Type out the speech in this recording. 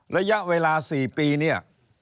ระยะเวลา๔ปีเนี่ย